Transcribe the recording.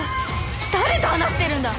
誰と話してるんだ！？